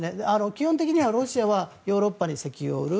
基本的にはロシアはヨーロッパに石油を売る。